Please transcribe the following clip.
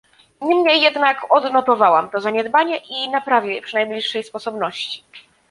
Niemniej jednak odnotowałam to zaniedbanie i naprawię je przy najbliższej sposobności